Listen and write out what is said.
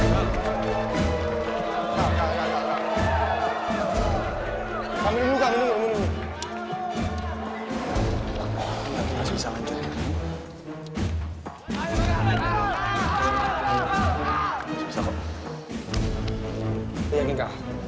bayari anda saya kalah belanjang